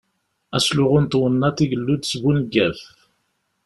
Asluɣu n twennaḍt igellu-d s buneggaf.